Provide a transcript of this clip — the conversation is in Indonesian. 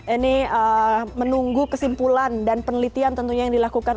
ini menunggu kesimpulan dan penelitian tentunya yang dilakukan